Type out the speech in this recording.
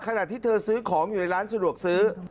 ขณะที่เธอซื้อของอยู่ในร้านสะดวกซื้อ